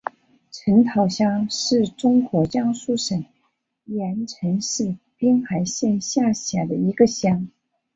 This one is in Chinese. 陈涛乡是中国江苏省盐城市滨海县下辖的一个乡。